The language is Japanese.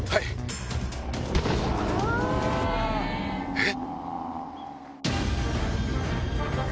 えっ！